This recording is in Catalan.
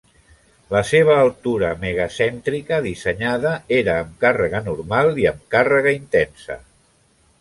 La seva altura mega-cèntrica dissenyada era amb càrrega normal i amb càrrega intensa.